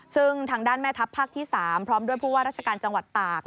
ซึ่งทางด้านแม่ทัพภาคที่๓พร้อมด้วยผู้ว่าราชการจังหวัดตาก